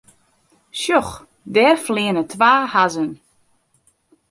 Sjoch, dêr fleane twa hazzen.